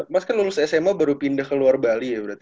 mas kan lulus sma baru pindah ke luar bali ya berarti